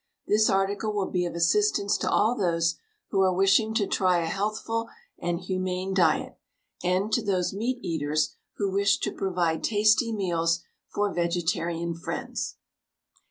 This article will be of assistance to all those who are wishing to try a healthful and humane diet, and to those meat eaters who wish to provide tasty meals for vegetarian friends.